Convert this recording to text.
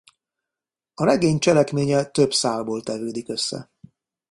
A regény cselekménye több szálból tevődik össze.